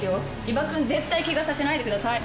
伊庭くん絶対怪我させないでください。